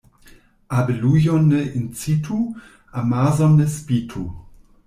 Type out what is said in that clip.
Abelujon ne incitu, amason ne spitu.